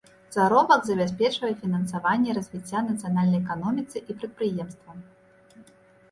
Заробак забяспечвае фінансаванне развіцця нацыянальнай эканоміцы і прадпрыемства.